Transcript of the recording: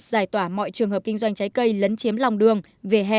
giải tỏa mọi trường hợp kinh doanh trái cây lấn chiếm lòng đường về hè nơi công cộng